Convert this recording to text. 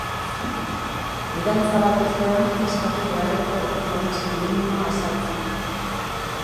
Fidantza bat uztean eskatu beharreko informazio minimoa ezartzen da.